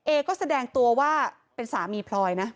เอก็แสดงตัวว่าเป็นสามีพลอยนะ